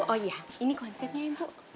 oh iya ini konsepnya ibu